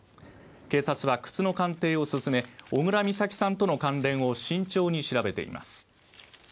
警察は靴の鑑定を進め小倉美咲さんとの関連を慎重に調べています。